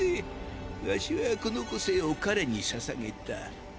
ワシはこの個性を彼に捧げた。